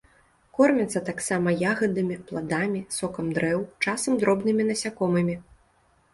Кормяцца таксама ягадамі, пладамі, сокам дрэў, часам дробнымі насякомымі.